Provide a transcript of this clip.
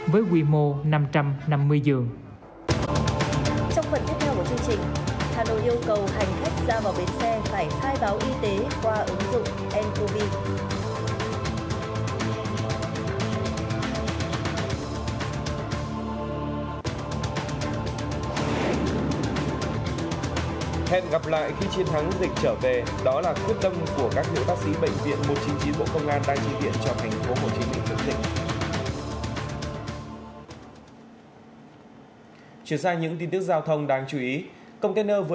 với quy mô năm trăm năm mươi giường